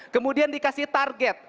kemudian dikasih target